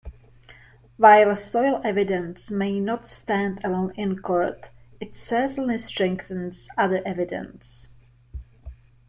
While soil evidence may not stand alone in court it certainly strengthens other evidence.